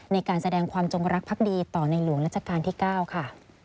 ในการแสดงความจงรักภักดีต่อในหลวงรัชกาลที่๙ค่ะ